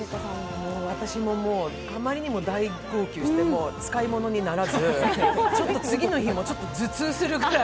私もあまりにも大号泣して使い物にならず、次の日もちょっと頭痛するぐらい。